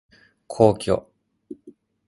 皇居